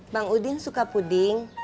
bang udin suka puding